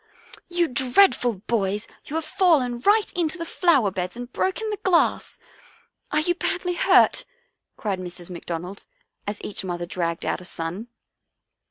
" You dreadful boys, you have fallen right into the flower beds and broken the glass ! Are you badly hurt?" cried Mrs. McDonald, as each mother dragged out a son.